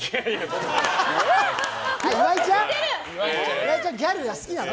岩井ちゃんギャルが好きなの？